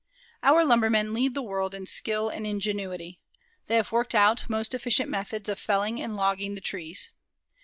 Our lumbermen lead the world in skill and ingenuity. They have worked out most efficient methods of felling and logging the trees.